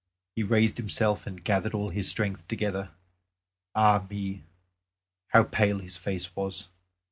He raised himself and gathered all his strength together ah me! how pale his face was!